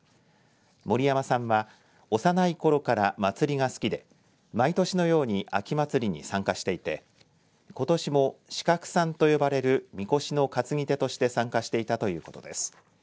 森山さんは幼い頃から祭りが好きで毎年のように秋祭りに参加していてことしも四角さんと呼ばれるみこしの担ぎ手として参加していたということです。